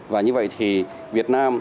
và như vậy thì việt nam